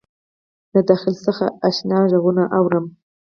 له داخل څخه آشنا غــږونه اورم